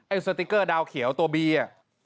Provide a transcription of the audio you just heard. ไอเซอร์สไตรเกอร์ดาวเขียวตัวบีอ่ะ